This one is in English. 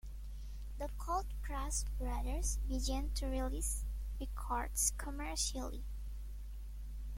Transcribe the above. The Cold Crush Brothers began to release records commercially.